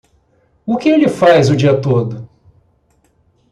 O que ele faz o dia todo?